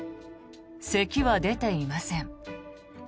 せきは出ていません。